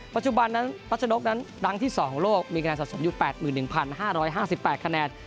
ปัจจุบันนั้นปัจจุดนั้นดังที่สองของโลกมีคะแนนสะสมอยู่แปดหมื่นหนึ่งพันห้าร้อยห้าสิบแปดคะแนน